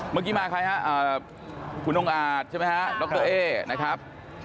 เมื่อกี้มาใครครับคุณดงอาจใช่ไหมครับโดคเตอร์เอ้นนะครับ